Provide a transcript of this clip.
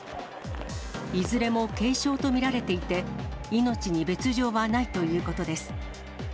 いずれも軽傷と見られていて、命に別状はないということです。